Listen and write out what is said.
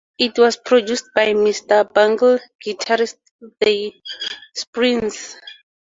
It was produced by Mr. Bungle guitarist Trey Spruance.